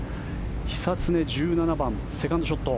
久常、１７番セカンドショット。